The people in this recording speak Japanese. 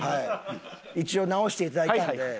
一応治していただいたので。